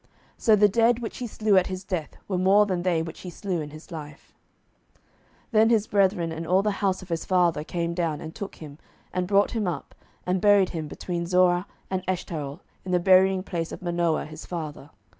So the dead which he slew at his death were more than they which he slew in his life. 07:016:031 Then his brethren and all the house of his father came down, and took him, and brought him up, and buried him between Zorah and Eshtaol in the buryingplace of Manoah his father.